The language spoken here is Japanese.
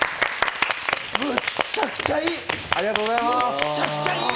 むちゃくちゃいい！